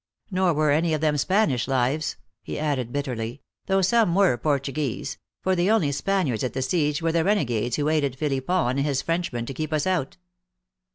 Nor were any of them Spanish lives," he added bitterly ;" though some were Portuguese for the only Spaniards at the siege were the renegados who aided Philippon and his Frenchman to keep us out."